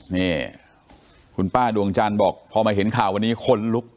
นี่คุณป้าดวงจันทร์บอกพอมาเห็นข่าววันนี้คนลุก